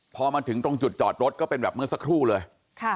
พอมาถึงตรงจุดจอดรถก็เป็นแบบเมื่อสักครู่เลย